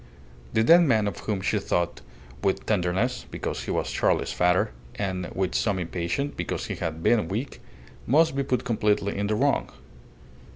The dead man of whom she thought with tenderness (because he was Charley's father) and with some impatience (because he had been weak), must be put completely in the wrong.